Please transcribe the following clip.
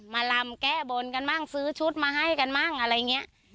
มารำแก้บนกันบ้างซื้อชุดมาให้กันบ้างอะไรเงี้ย